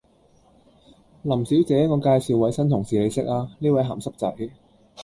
林小姐，我介紹位新同事你識呀，呢位鹹濕仔